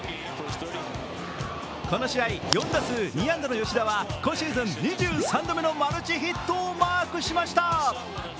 この試合４打数２安打の吉田は２３度目のマルチヒットをマークしました。